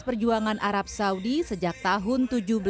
perjuangan arab saudi sejak tahun seribu tujuh ratus lima puluh